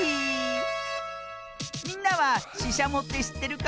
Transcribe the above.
みんなはししゃもってしってるかな？